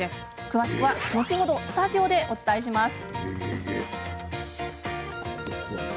詳しくは後ほどスタジオでお伝えします。